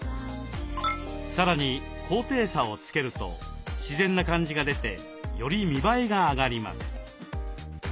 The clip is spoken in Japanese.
さらに高低差をつけると自然な感じが出てより見栄えが上がります。